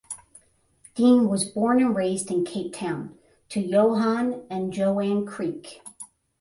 Dean was born and raised in Cape Town to Johan and Joanne Kriek.